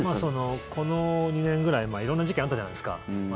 この２年ぐらい色んな事件があったじゃないですか。